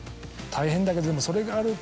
大変だけどでも。